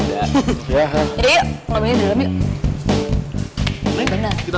tertengah nih bicara gitu